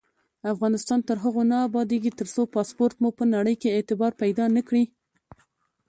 افغانستان تر هغو نه ابادیږي، ترڅو پاسپورت مو په نړۍ کې اعتبار پیدا نکړي.